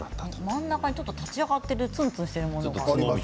真ん中に立ち上がっているツンツンしているもの